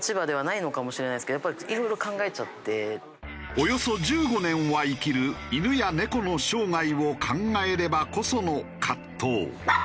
およそ１５年は生きる犬や猫の生涯を考えればこその葛藤。